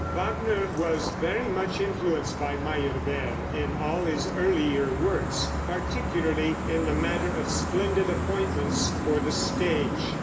Wagner was very much influenced by Meyerbeer in all his earlier works, particularly in the matter of splendid appointments for the stage.